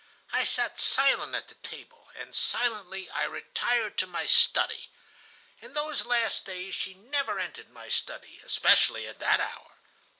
I sat silent at the table, and silently I retired to my study. In those last days she never entered my study, especially at that hour.